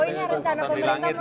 ya jelas nonton di langit lah